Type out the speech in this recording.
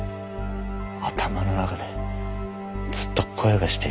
頭の中でずっと声がしていました。